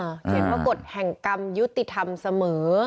เห็นว่ากฎแห่งกรรมยุติธรรมเสมอ